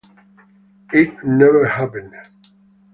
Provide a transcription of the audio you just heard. It never happened.